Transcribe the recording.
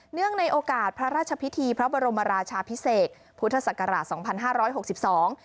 เนื่องในโอกาสพระราชพิธีพระบรมราชาพิเศษพุทธศักราชสองพันห้าร้อยหกสิบสอง